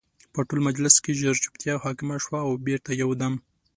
په ټول مجلس کې ژر جوپتیا حاکمه شوه او بېرته یو دم